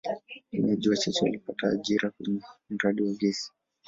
Wenyeji wachache walipata ajira kwenye mradi wa gesi.